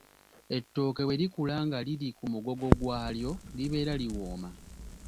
Ettooke bwe likula nga liri ku mugogo gwalyo libeera liwooma.